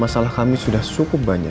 masalah kami sudah cukup banyak